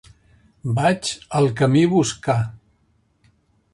Vaig al camí Boscà.